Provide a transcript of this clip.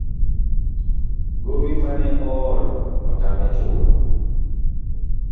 Gowi mane oolo otame chulo